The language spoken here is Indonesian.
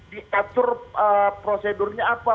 diatur prosedurnya apa